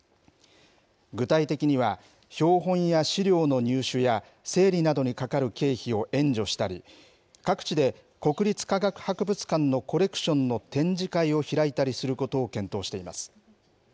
具体的には、標本や資料の入手や整理などにかかる経費を援助したり、各地で国立科学博物館のコレクションの展示会を開いたりすることを検討しています。